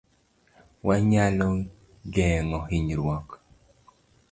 Wanyalo geng'o hinyruok